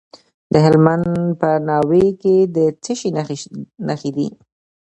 د هلمند په ناوې کې د څه شي نښې دي؟